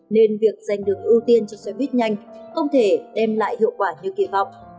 nên việc giành được ưu tiên cho xe buýt nhanh không thể đem lại hiệu quả như kỳ vọng